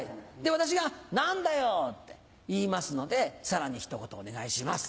私が「何だよ」って言いますのでさらにひと言お願いします。